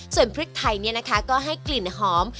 ส่วนพริกไทยก็ให้กลิ่นหอม